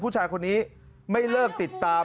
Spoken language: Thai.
ผู้ชายคนนี้ไม่เลิกติดตาม